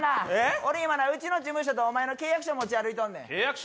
俺今なうちの事務所とお前の契約書持ち歩いとんねん契約書？